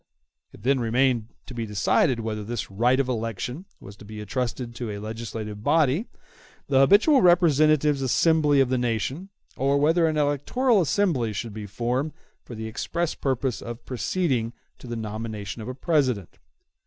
It then remained to be decided whether this right of election was to be entrusted to a legislative body, the habitual representative assembly of the nation, or whether an electoral assembly should be formed for the express purpose of proceeding to the nomination of a President.